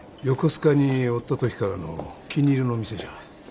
横須賀におった時からの気に入りの店じゃ。